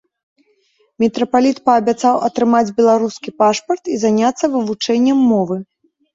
Мітрапаліт паабяцаў атрымаць беларускі пашпарт і заняцца вывучэннем мовы.